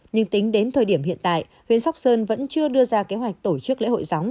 nhưng tính đến thời điểm hiện tại huyện sóc sơn vẫn chưa đưa ra kế hoạch tổ chức lễ hội gióng